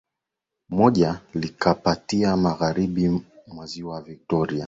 Moja likapita magharibi mwa Ziwa Victoria